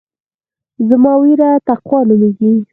زما وريره تقوا نوميږي.